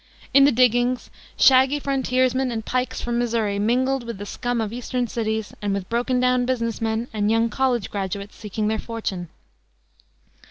In the diggings, shaggy frontiersmen and "pikes" from Missouri mingled with the scum of eastern cities and with broken down business men and young college graduates seeking their fortune.